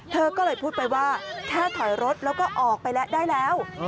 เธอก็เลยพูดไปว่าแค่ถอยรถแล้วก็ออกไปแล้วได้แล้ว